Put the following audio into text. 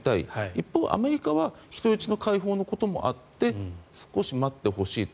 一方、アメリカは人質の解放のこともあって少し待ってほしいと。